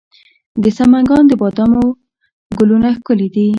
د سمنګان د بادامو ګلونه ښکلي دي.